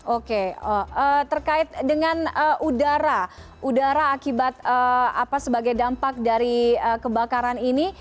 oke terkait dengan udara udara akibat apa sebagai dampak dari kebakaran ini